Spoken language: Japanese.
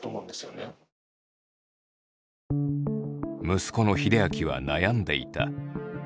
息子のヒデアキは悩んでいた。